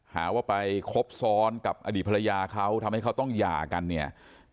หาว่าไปคบซ้อนกับอดีตภรรยาเขาทำให้เขาต้องหย่ากันเนี่ย